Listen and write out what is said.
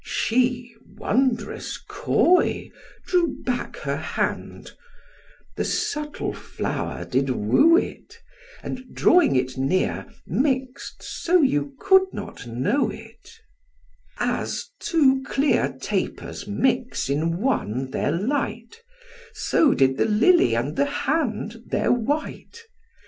She, wondrous coy, Drew back her hand: the subtle flower did woo it, And, drawing it near, mix'd so you could not know it: As two clear tapers mix in one their light, So did the lily and the hand their white.